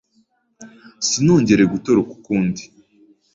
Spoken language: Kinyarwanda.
sinongere gutoroka ukundi.